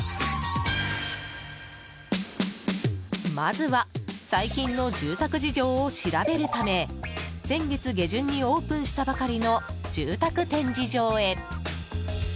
まずは、最近の住宅事情を調べるため先月下旬にオープンしたばかりの住宅展示場へ。